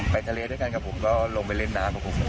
ไปทะเลด้วยกันกับผมก็ลงไปเล่นน้ำกับผมเหมือนกัน